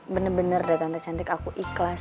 bener bener dari tante cantik aku ikhlas